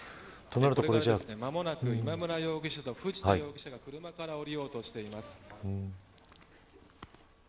間もなく今村容疑者と藤田容疑者が車から降りようとしています。